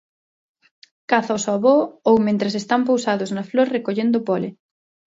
Cázaos ao voo ou mentres están pousados na flor recollendo pole.